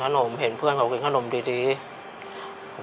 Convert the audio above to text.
พี่ก็ต้องเป็นภาระของน้องของแม่อีกอย่างหนึ่ง